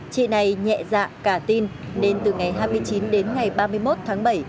chị này nhẹ dạ cả tin nên từ ngày hai mươi chín đến ngày ba mươi một tháng bảy